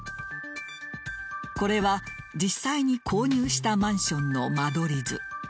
これは実際に購入したマンションの間取り図。